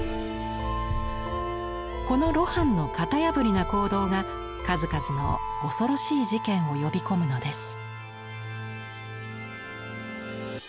この露伴の型破りな行動が数々の恐ろしい事件を呼び込むのです。